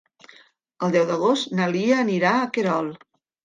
El deu d'agost na Lia anirà a Querol.